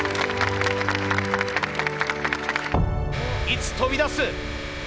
いつ飛び出す？